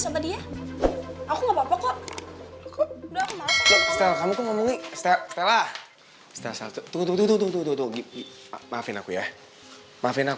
sama dia aku ngapain kok udah kamu ngomongin setelah setelah satu duduk maafin aku ya maafin